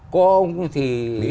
có ông thì